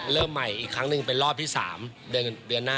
เริ่มใหม่อีกครั้งหนึ่งเป็นรอบที่๓เดือนหน้า